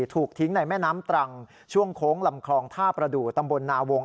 ถูกทิ้งในแม่น้ำตรังช่วงโค้งลำคลองท่าประดูกตำบลนาวง